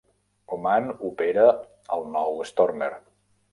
Oman opera el nou Stormer.